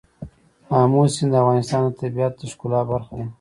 آمو سیند د افغانستان د طبیعت د ښکلا برخه ده.